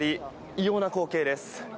異様な光景です。